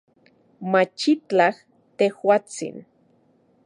Machitlaj, tejuatsin